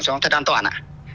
cho thật an toàn